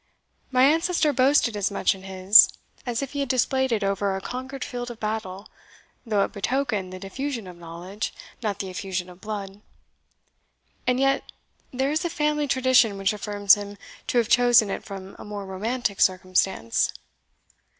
My ancestor boasted as much in his, as if he had displayed it over a conquered field of battle, though it betokened the diffusion of knowledge, not the effusion of blood. And yet there is a family tradition which affirms him to have chosen it from a more romantic circumstance."